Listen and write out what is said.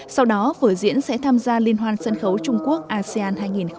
sau đó vừa diễn sẽ tham gia liên hoan sân khấu trung quốc asean hai nghìn một mươi chín